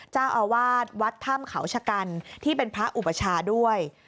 เจ้าอาวาสวัดถ้ำเขาชะกันที่เป็นพระอุปชาด้วย